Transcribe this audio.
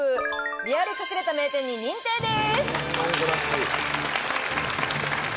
リアル隠れた名店に認定です！